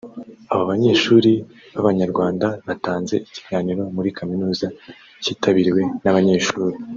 abo banyeshuri b’Abanyarwanda batanze ikiganiro muri kaminuza cyitabiriwe n’abanyeshuri